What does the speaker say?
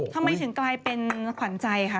ทำไมถึงกลายเป็นขวัญใจค่ะ